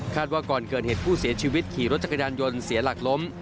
ว่าก่อนเกิดเหตุผู้เสียชีวิตขี่รถจักรยานยนต์เสียหลักล้ม